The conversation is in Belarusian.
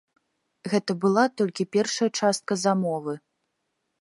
Гэта была толькі першая частка замовы.